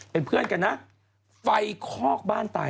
เป็นเพื่อนกันนะ